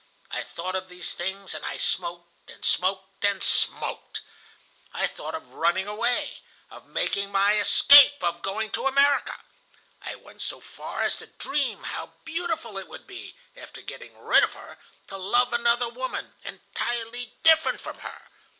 I thought of these things, and I smoked, and smoked, and smoked. I thought of running away, of making my escape, of going to America. I went so far as to dream how beautiful it would be, after getting rid of her, to love another woman, entirely different from her.